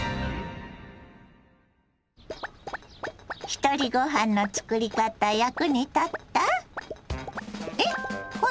ひとりごはんのつくり方役に立った？